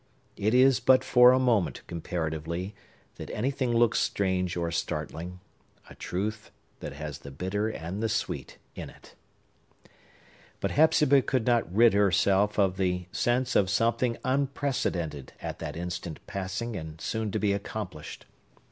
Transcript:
It is but for a moment, comparatively, that anything looks strange or startling,—a truth that has the bitter and the sweet in it. But Hepzibah could not rid herself of the sense of something unprecedented at that instant passing and soon to be accomplished.